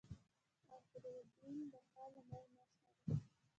آیا فروردین د کال لومړۍ میاشت نه ده؟